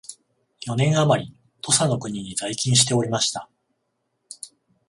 四年あまり土佐の国に在勤しておりました